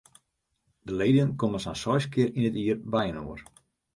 De leden komme sa'n seis kear yn it jier byinoar.